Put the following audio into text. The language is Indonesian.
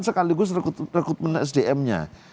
sekaligus rekrutmen sdm nya